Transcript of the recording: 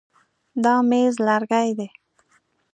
دا مېز لرګی دی.